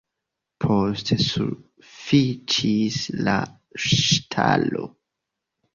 Poste sufiĉis la ŝtalo.